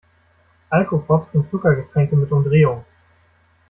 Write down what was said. Alkopops sind Zuckergetränke mit Umdrehung.